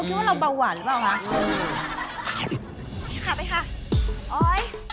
อยากกินผิกคลุมตำและตอนนี้